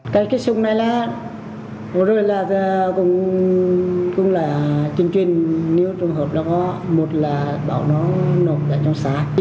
cái xúc này là vừa rồi là cũng là truyền truyền nếu trường hợp nó có một là bảo nó nộp vào trong xác